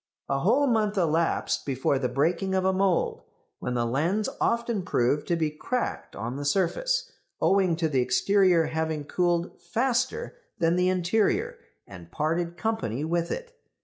A whole month elapsed before the breaking of a mould, when the lens often proved to be cracked on the surface, owing to the exterior having cooled faster than the interior and parted company with it.